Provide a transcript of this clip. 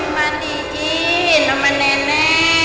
mau dimandiin sama nenek